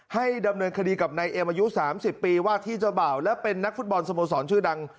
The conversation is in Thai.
ให้ดำเนินคดีกับนายเอ็มอายุ๓๐ปีว่าที่เจ้าบ่าวและเป็นนักฟุตบอลสโมสรชื่อดัง